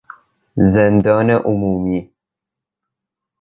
زندان عمومی